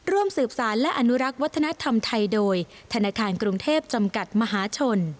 ร่วมสืบสารและอนุรักษ์วัฒนธรรมไทยโดยธนาคารกรุงเทพจำกัดมหาชน